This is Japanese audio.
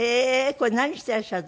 これ何してらっしゃるとこ？